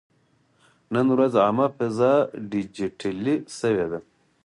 نن ورځ عامه فضا ډیجیټلي شوې ده.